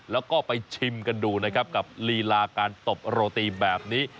แล้วก็ไปชิมกันดูนะครับกับลีลาการตบโรตีแบบนี้